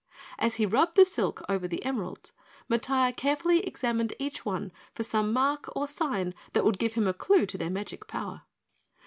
As he rubbed the silk over the emeralds, Matiah carefully examined each one for some mark or sign that would give him a clue to their magic power.